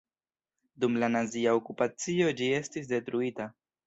Dum la nazia okupacio ĝi estis detruita.